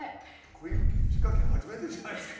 こういう仕掛け初めてじゃないですか？